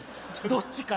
どっちか。